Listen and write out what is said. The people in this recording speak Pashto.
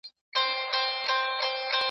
سياست د علم په توګه ډېر ارزښت لري.